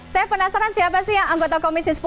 saya penasaran siapa sih yang anggota komisi sepuluh